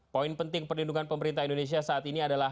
poin penting perlindungan pemerintah indonesia saat ini adalah